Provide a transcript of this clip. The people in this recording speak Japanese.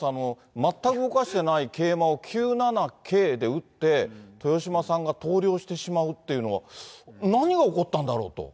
全く動かしてない桂馬を９七桂で打って、豊島さんが投了してしまうっていうのが、何が起こったんだろうと。